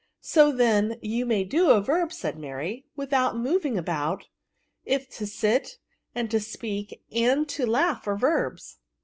*' So then, you may do a verb," said Mary, '^ without moving about, if to sit, and to speak, and to laugh, are verbs